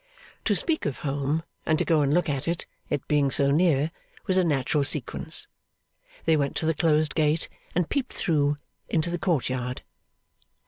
To speak of home, and to go and look at it, it being so near, was a natural sequence. They went to the closed gate, and peeped through into the court yard.